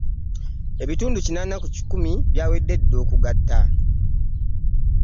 Ebitundu kinaana ku kikumi byawedde dda okugatta.